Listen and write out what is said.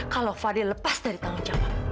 kalau fadil lepas dari tanggung jawab